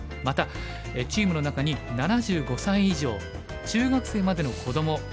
またチームの中に７５歳以上中学生までの子ども